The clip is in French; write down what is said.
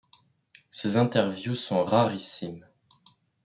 Ses interviews sont rarissimes.